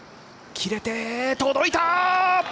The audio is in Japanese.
切れて、届いた！